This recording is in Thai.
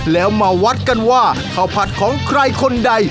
แล้วมาวัดกันว่าข้าวผัดของใครคนใด